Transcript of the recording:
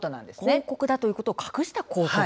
広告だということを隠した広告。